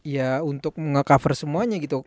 ya untuk ngecover semuanya gitu